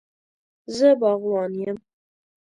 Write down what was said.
زه باغوان یم